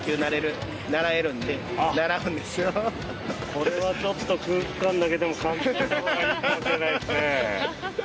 これはちょっと空気感だけでも感じておいたほうがいいかもしれないですね。